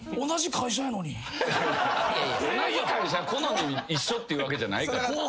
同じ会社好み一緒っていうわけじゃないから。